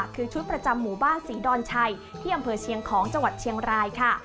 คือชุดประจำหมู่บ้านศรีดอนชัยที่อำเภอเชียงของจังหวัดเชียงรายค่ะ